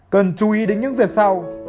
cần chú ý đến những việc sau